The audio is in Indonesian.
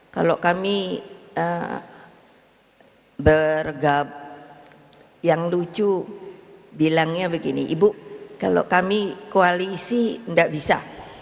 kalau kami bergabung yang lucu bilangnya begini ibu kalau kami koalisi tidak bisa